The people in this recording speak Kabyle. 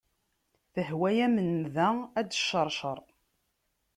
Tehwa-am nnda ad d-tecceṛceṛ.